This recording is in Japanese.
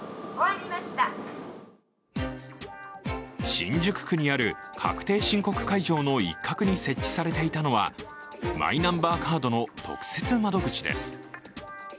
新宿区にある確定申告会場の一角に設置されていたのはマイナンバーカードの特設窓口です。